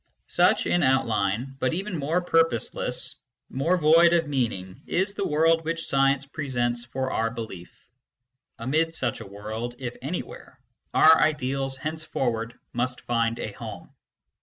Such, in outline, but even more purposeless, more void of meaning, is the world which Science presents for our belief. Amid such a world, if anywhere, our ideals henceforward must find a home.